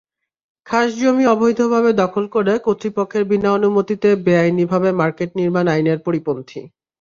খাসজমি অবৈধভাবে দখল করে কর্তৃপক্ষের বিনা অনুমতিতে বেআইনিভাবে মার্কেট নির্মাণ আইনের পরিপন্থী।